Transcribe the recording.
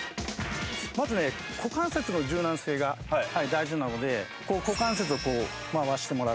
まずね股関節の柔軟性が大事なのでこう股関節を回してもらって。